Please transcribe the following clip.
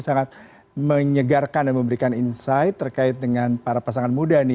sangat menyegarkan dan memberikan insight terkait dengan para pasangan muda nih